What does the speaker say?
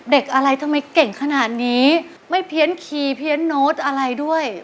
เด็กอะไรทำไมเก่งขนาดนี้ไม่เพี้ยนคีย์เพี้ยนโน้ตอะไรด้วย